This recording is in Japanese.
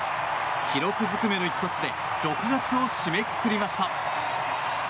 記録ずくめの一発で６月を締めくくりました。